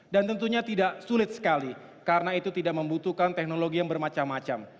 dan tentunya tidak sulit sekali karena itu tidak membutuhkan teknologi yang bermacam macam